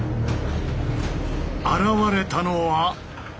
現れたのは。